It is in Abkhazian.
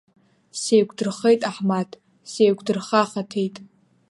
Сеиқәдырхеит Аҳмаҭ, сеиқәдырхахаҭеит!